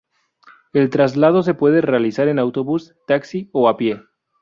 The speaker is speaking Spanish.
El traslado se puede realizar en autobús, taxi o a pie.